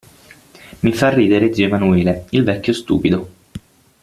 Mi fa ridere zio Emanuele, il vecchio stupido.